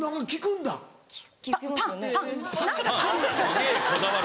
すげぇこだわる。